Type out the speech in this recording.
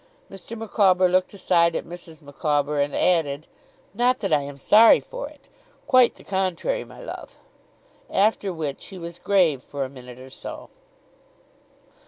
Mr. Micawber looked aside at Mrs. Micawber, and added: 'Not that I am sorry for it. Quite the contrary, my love.' After which, he was grave for a minute or so.